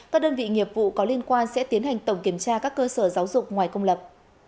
các đơn vị nghiệp vụ có liên quan sẽ tiến hành tổng kiểm tra các cơ sở giáo dục ngoài công lập